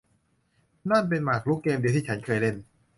นั่นเป็นหมากรุกเกมเดียวที่ฉันเคยเล่น